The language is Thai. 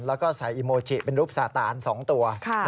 แล้วก็ใส่อีโมจิเป็นรูปสาตาน๒ตัว